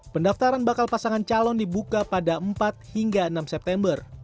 pendaftaran bakal pasangan calon dibuka pada empat hingga enam september